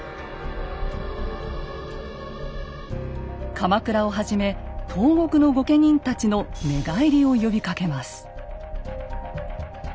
鎌倉をはじめ東国の御家人たちの寝返りを呼びかけます。